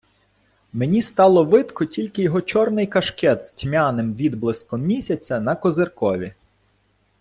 Мені стало видко тільки його чорний кашкет з тьмяним відблиском місяця на козиркові.